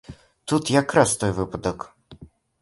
Тут якраз той выпадак.